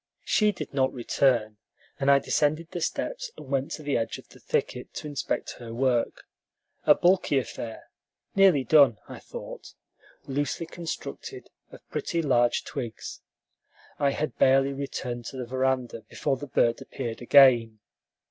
She did not return, and I descended the steps and went to the edge of the thicket to inspect her work: a bulky affair, nearly done, I thought, loosely constructed of pretty large twigs. I had barely returned to the veranda before the bird appeared again.